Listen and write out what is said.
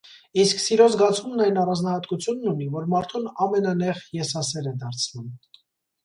իսկ սիրո զգացումն այն առանձնահատկությունն ունի, որ մարդուն ամենանեղ եսասեր է դարձնում: